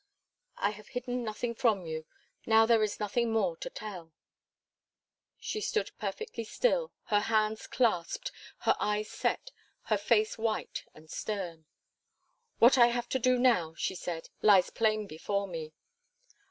"I have hidden nothing from you. Now there is nothing more to tell." She stood perfectly still her hands clasped, her eyes set, her face white and stern. "What I have to do now," she said, "lies plain before me."